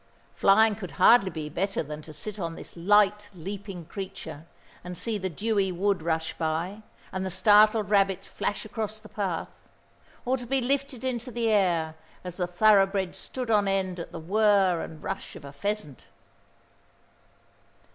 Flying could hardly be better than to sit on this light, leaping creature, and see the dewy wood rush by, and the startled rabbits flash across the path; or to be lifted into the air as the thoroughbred stood on end at the whirr and rush of a pheasant.